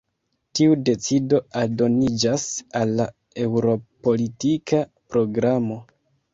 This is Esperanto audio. Tiu decido aldoniĝas al la Eŭrop-politika Programo.